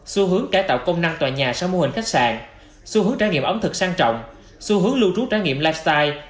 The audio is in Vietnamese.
xu hướng cải tạo công năng tòa nhà sau mô hình khách sạn xu hướng trải nghiệm ống thực sang trọng xu hướng lưu trú trải nghiệm lifestyle